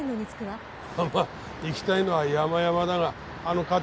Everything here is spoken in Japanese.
まあ行きたいのは山々だがあの課長がな。